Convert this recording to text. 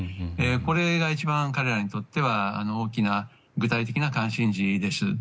これが一番、彼らにとっては大きな具体的な関心事です。